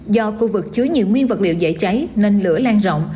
do khu vực chứa nhiều nguyên vật liệu dễ cháy nên lửa lan rộng